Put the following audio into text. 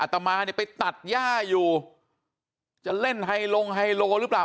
ตามมาเนี่ยไปตัดย่าอยู่จะเล่นไฮลงไฮโลหรือเปล่า